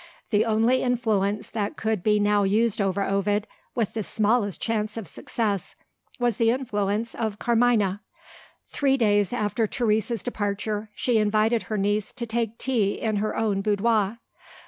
The only influence that could be now used over Ovid, with the smallest chance of success, was the influence of Carmina. Three days after Teresa's departure, she invited her niece to take tea in her own boudoir.